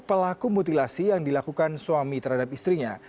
pelaku mutilasi yang dilakukan suami terhadap istrinya